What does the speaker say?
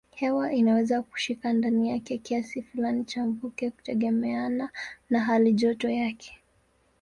Hewa inaweza kushika ndani yake kiasi fulani cha mvuke kutegemeana na halijoto yake.